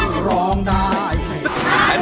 คือร้องได้ให้ร้อง